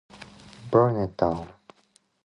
Burnettown is located in historic Horse Creek Valley.